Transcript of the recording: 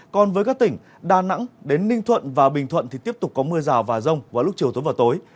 còn với các tỉnh đà nẵng đến ninh thuận và bình thuận thì tiếp tục có mưa rào và rông vào lúc chiều tối và tối